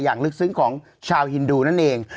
ลึกซึ้งของชาวฮินดูนั่นเอง